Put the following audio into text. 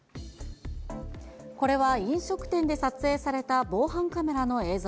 これは飲食店で撮影された防犯カメラの映像。